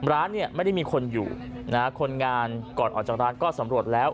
ร้านเนี่ยไม่ได้มีคนอยู่นะฮะคนงานก่อนออกจากร้านก็สำรวจแล้ว